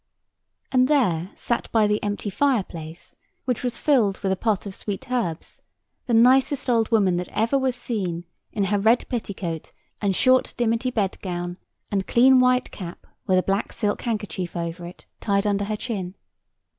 And there sat by the empty fireplace, which was filled with a pot of sweet herbs, the nicest old woman that ever was seen, in her red petticoat, and short dimity bedgown, and clean white cap, with a black silk handkerchief over it, tied under her chin.